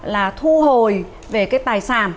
là thu hồi về cái tài sản